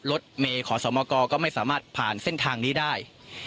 รถเมย์ขอสมกก็ไม่สามารถผ่านเส้นทางนี้ได้